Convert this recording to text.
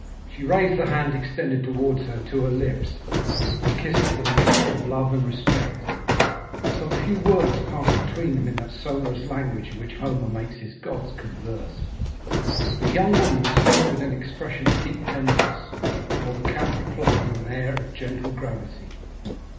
She raised the hand extended towards her to her lips, and kissed it with a mixture of love and respect. Some few words passed between them in that sonorous language in which Homer makes his gods converse. The young woman spoke with an expression of deep tenderness, while the count replied with an air of gentle gravity.